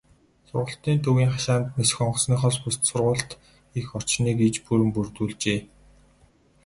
Сургалтын төвийн хашаанд нисэх онгоцныхоос бусад сургуулилалт хийх орчныг иж бүрэн бүрдүүлжээ.